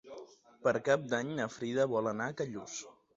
Per Cap d'Any na Frida vol anar a Callús.